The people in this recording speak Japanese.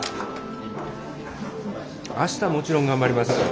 あしたもちろん頑張りますよ！